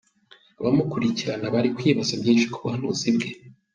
Abamukurikirana bari kwibaza byinshi ku buhanuzi bwe.